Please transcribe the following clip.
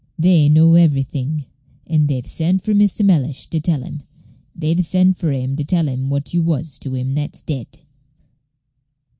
They know everything; and they've sent for Mr. Mellish, to tell him. They've sent for him to tell him what you was to him that's dead."